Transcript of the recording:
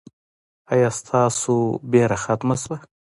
ایا ستاسو ویره ختمه شوه؟